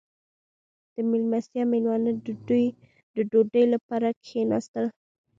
• د میلمستیا مېلمانه د ډوډۍ لپاره کښېناستل.